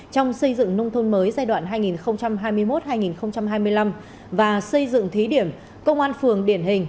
trong xây dựng nông thôn mới giai đoạn hai nghìn hai mươi một hai nghìn hai mươi năm và xây dựng thí điểm công an phường điển hình